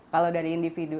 kalau dari individu